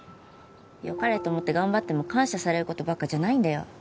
良かれと思って頑張っても感謝される事ばっかじゃないんだよ。